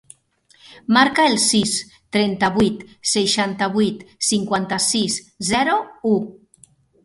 Marca el sis, trenta-vuit, seixanta-vuit, cinquanta-sis, zero, u.